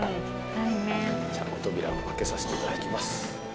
じゃあ扉を開けさせて頂きます。